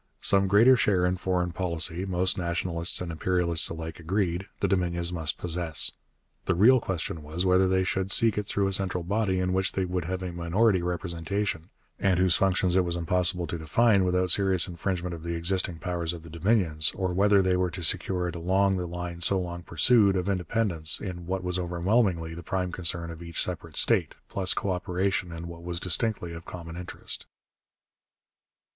Some greater share in foreign policy, most nationalists and imperialists alike agreed, the Dominions must possess. The real question was, whether they should seek it through a central body in which they would have a minority representation, and whose functions it was impossible to define without serious infringement of the existing powers of the Dominions, or whether they were to secure it along the line so long pursued, of independence in what was overwhelmingly the prime concern of each separate state, plus co operation in what was distinctly of common interest.